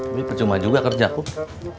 ini percuma juga kerja kong